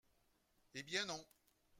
Eh bien non